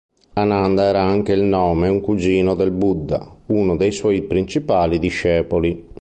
Ananda era anche il nome un cugino del Buddha, uno dei suoi principali discepoli.